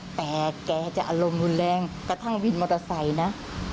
แต่แกจะอารมณ์รุนแรงกระทั่งวินมอเตอร์ไซค์นะ